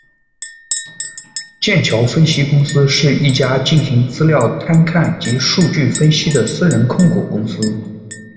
剑桥分析公司，是一家进行资料探勘及数据分析的私人控股公司。